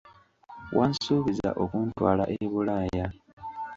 Wansuubiza okuntwala e Bulaaya.